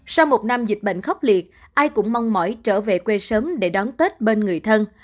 sau một năm dịch bệnh khốc liệt ai cũng mong mỏi trở về quê sớm để đón tết bên người thân